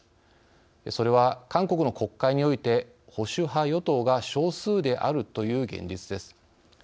それは、韓国の国会において保守派与党が少数であるという現実です。